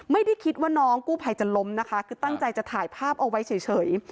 ไม่ได้คิดว่าน้องกู้ภัยจะล้มนะคะคือตั้งใจจะถ่ายภาพเอาไว้เฉย